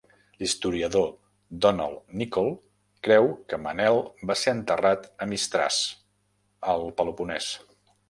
L'historiador Donald Nicol creu que Manel va ser enterrat a Mistràs, al Peloponès.